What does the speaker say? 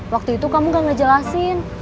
waktu itu kamu gak ngejelasin